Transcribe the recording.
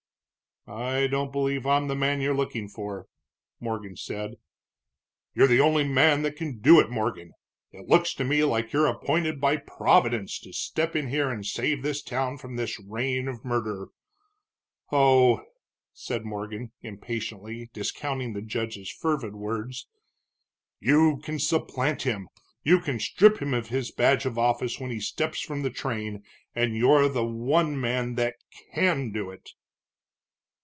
"I don't believe I'm the man you're looking for," Morgan said. "You're the only man that can do it, Morgan. It looks to me like you're appointed by Providence to step in here and save this town from this reign of murder." "Oh!" said Morgan, impatiently, discounting the judge's fervid words. "You can supplant him, you can strip him of his badge of office when he steps from the train, and you're the one man that can do it!"